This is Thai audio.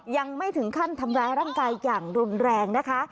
ยังไม่ถึงขั้นทำร้ายร่างกายอย่างรุนแรงนะคะ